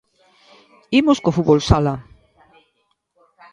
Imos co fútbol sala.